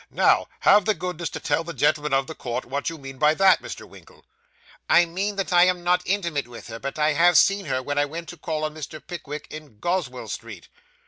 Now, have the goodness to tell the gentlemen of the jury what you mean by that, Mr. Winkle.' 'I mean that I am not intimate with her, but I have seen her when I went to call on Mr. Pickwick, in Goswell Street.